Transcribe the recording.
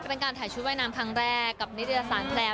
เป็นการถ่ายชุดว่ายน้ำครั้งแรกกับนิตยสารแพลว